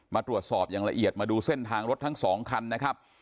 มาตรวจสอบอย่างละเอียดมาดูเส้นทางรถทั้งสองคันนะครับ